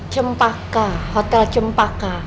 cempaka hotel cempaka